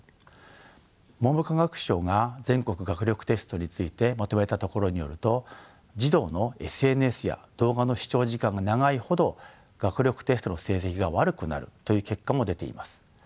文部科学省が全国学力テストについてまとめたところによると児童のＳＮＳや動画の視聴時間が長いほど学力テストの成績が悪くなるという結果も出ています。